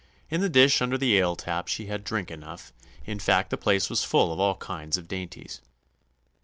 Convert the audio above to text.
In the dish under the ale tap she had drink enough; in fact, the place was full of all kinds of dainties.